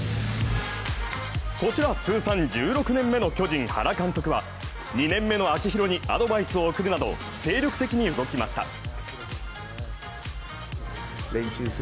こちら、通算１６年目の巨人・原監督は２年目の秋広にアドバイスを送るなど精力的に動きました。